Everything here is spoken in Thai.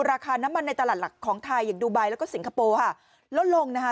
ราคาน้ำมันในตลาดหลักของไทยอย่างดูไบแล้วก็สิงคโปร์ค่ะลดลงนะคะ